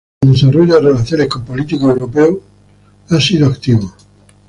El desarrollo de relaciones con políticos europeos ha sido activo.